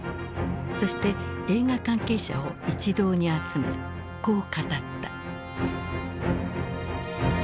そして映画関係者を一堂に集めこう語った。